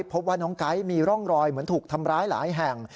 พบว่าน้องไก๊มีร่องรอยเหมือนถูกทำร้ายหลายแห่ง